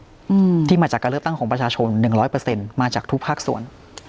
อืมที่มาจากการเลือกตั้งของประชาชนหนึ่งร้อยเปอร์เซ็นต์มาจากทุกภาคส่วน